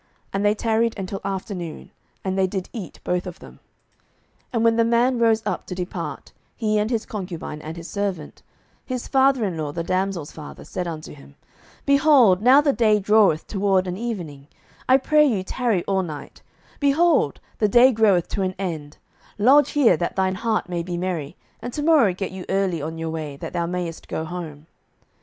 And they tarried until afternoon, and they did eat both of them. 07:019:009 And when the man rose up to depart, he, and his concubine, and his servant, his father in law, the damsel's father, said unto him, Behold, now the day draweth toward evening, I pray you tarry all night: behold, the day groweth to an end, lodge here, that thine heart may be merry; and to morrow get you early on your way, that thou mayest go home.